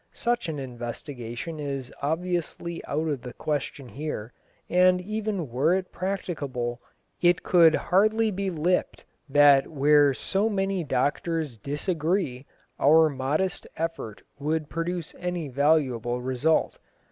Such an investigation is obviously out of the question here, and even were it practicable it could hardly be lipped that where so many doctors disagree our modest effort would produce any valuable result.